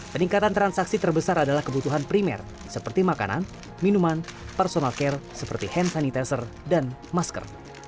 peningkatan transaksi terbesar adalah kebutuhan primer seperti makanan minuman personal care seperti hand sanitizer dan masker